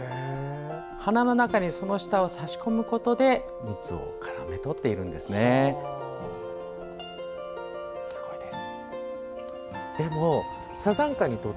花の中にその舌を差し込むことで蜜をからめとっているんです。